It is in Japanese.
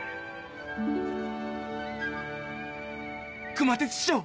熊徹師匠！